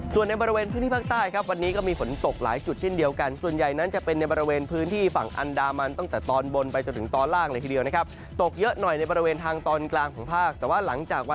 แต่ก็มีตกอยู่บ้างจากแถวบริเวณจังหวัดกละศิลป์มุกนาหาร